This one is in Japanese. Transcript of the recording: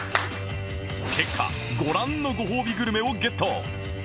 結果ご覧のご褒美グルメをゲット！